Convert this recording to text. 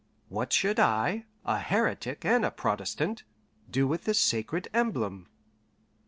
What should I, a heretic and a Protestant, do with this sacred emblem?